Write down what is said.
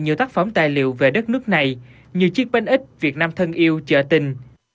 nhiều tác phẩm tài liệu về đất nước này như chiếc bánh x việt nam thân yêu trợ tình